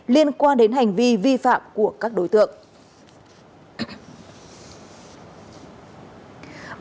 liên quan đến hành vi vi phạm của các đối tượng